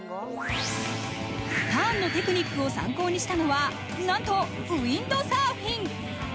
ターンのテクニックを参考にしたのは、なんとウインドサーフィン。